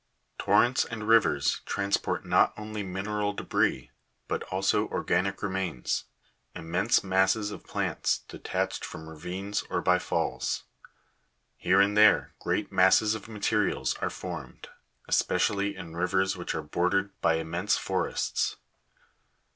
28. Torrents and rivers transport not only mineral debris, but also organic remains, immense masses of plants, detached from ravines, or by falls. Here and there great masses of materials are formed, especially in rivers which are bordered by immense forests.